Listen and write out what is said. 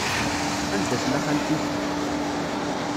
Anda tella xalti-k?